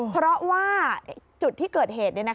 เพราะว่าจุดที่เกิดเหตุ